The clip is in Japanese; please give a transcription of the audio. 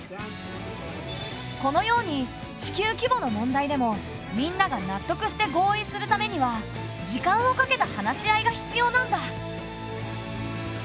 このように地球規模の問題でもみんなが納得して合意するためには時間をかけた話し合いが必要なんだ。